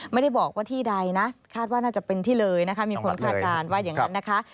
ไม่ได้บอกว่าที่ใดนะคาดว่าน่าจะเป็นที่เลยนะคะมีคนคาดการณ์ว่าอย่างนั้นนะคะ